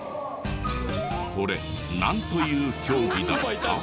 これなんという競技だった？